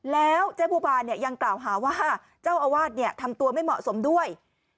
แล้วเจ๊บัวบานยังกล่าวหาว่าเจ้าอาวาสทำตัวไม่เหมาะสมด้วย